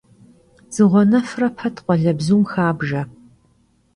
Dzığuenefre pet khualebzum xabjje.